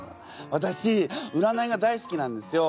私占いが大好きなんですよ。